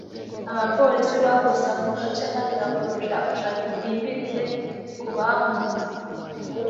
Abapolisi bagose ako gace maze bakora ubushakashatsi bwimbitse ku bahunze